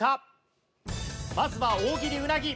まずは大切りうなぎ。